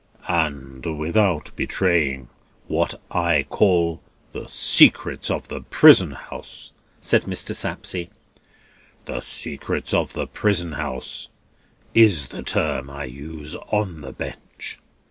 "And without betraying, what I call the secrets of the prison house," said Mr. Sapsea; "the secrets of the prison house is the term I used on the bench."